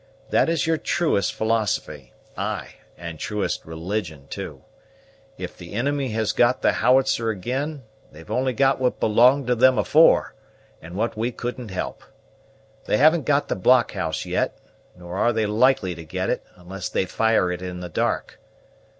That is your truest philosophy; ay, and truest religion too. If the inimy has got the howitzer ag'in, they've only got what belonged to them afore, and what we couldn't help. They haven't got the blockhouse yet, nor are they likely to get it, unless they fire it in the dark.